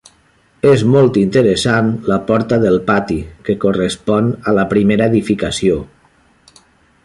És molt interessant la porta del pati, que correspon a la primera edificació.